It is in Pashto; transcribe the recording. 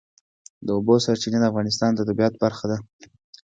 د اوبو سرچینې د افغانستان د طبیعت برخه ده.